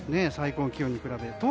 最高気温に比べて。